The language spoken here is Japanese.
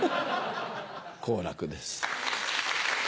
好楽です。